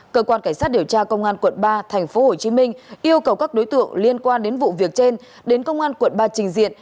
cơ quan cảnh sát điều tra công an quận ba tp hcm yêu cầu các đối tượng liên quan đến vụ việc trên đến công an quận ba trình diện